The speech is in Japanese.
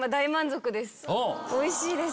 おいしいです。